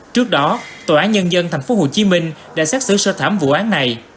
trước đó tòa án nhân dân tp hcm đã xét xử sơ thảm vụ án này